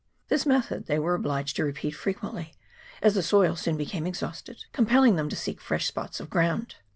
This method they were obliged to repeat frequently, as the soil soon became exhausted, compelling them to seek fresh spots of ground.